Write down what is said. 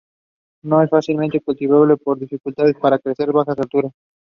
Flies from May to September.